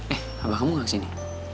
eh abang kamu gak kesini